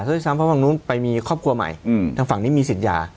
ซึ่งซ้ำทางฝั่งนู้นไปมีครอบครัวใหม่ทางฝั่งนี้มีสิทธิ์หยา